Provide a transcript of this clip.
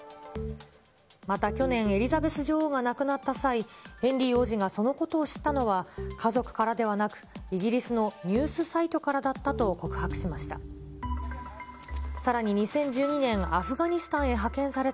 また去年、エリザベス女王が亡くなった際、ヘンリー王子がそのことを知ったのは、家族からではなく、イギリスのニュースサイトからだったと告白しました。